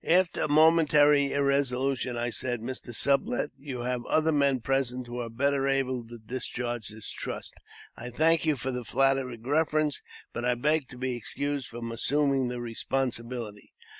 After a momentary irresolution, I said, " Mr. Sublet, you have other men present who are better able to discharge this trust. I thank you for the flattering preference, and I beg to be excused from assuming the responsibility."